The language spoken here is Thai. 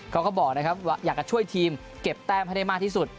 เขาก็บอกนะครับว่าอยากจะช่วยทีมเก็บแต้มให้ได้มากที่สุด